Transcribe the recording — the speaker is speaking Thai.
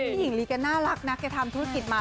พี่หญิงลีแกน่ารักนะแกทำธุรกิจมา